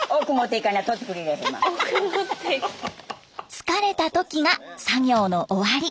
疲れた時が作業の終わり。